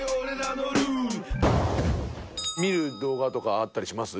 見る動画とかあったりします？